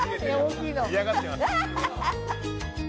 嫌がってます。わ！